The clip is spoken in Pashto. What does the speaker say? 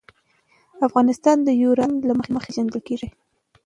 افغانستان د یورانیم له مخې پېژندل کېږي.